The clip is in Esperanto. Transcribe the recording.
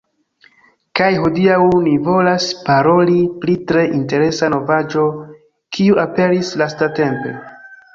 Kaj hodiaŭ, mi volas paroli pri tre interesa novaĵo kiu aperis lastatempe